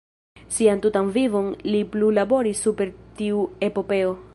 Sian tutan vivon li plu laboris super tiu epopeo.